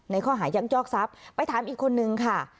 ข้อหายักยอกทรัพย์ไปถามอีกคนนึงค่ะ